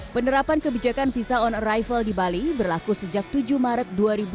penerapan kebijakan visa on arrival di bali berlaku sejak tujuh maret dua ribu dua puluh